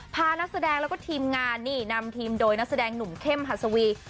พานักแสดงแล้วก็ทีมงานนี่นำทีมโดยนักแสดงหนุ่มเข้มหัสวี